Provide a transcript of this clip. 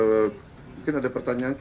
pak kan kemarin ada percayaan bahwa